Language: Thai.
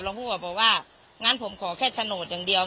ผู้บอกว่างั้นผมขอแค่โฉนดอย่างเดียว